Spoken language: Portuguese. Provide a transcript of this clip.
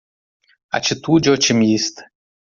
Atitude otimista